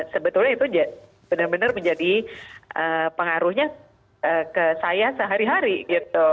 sebetulnya itu benar benar menjadi pengaruhnya ke saya sehari hari gitu